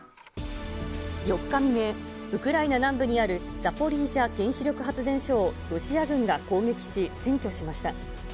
４日未明、ウクライナ南部にあるザポリージャ原子力発電所をロシア軍が攻撃し占拠しました。